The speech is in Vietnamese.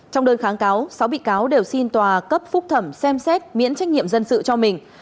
trong đơn kháng cáo sáu bị cáo đều xin tòa cấp phúc thẩm xem xét miễn trách nhiệm dân sự cho mình